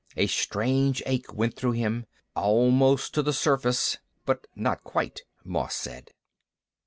A strange ache went through him. "Almost to the surface." "But not quite," Moss said.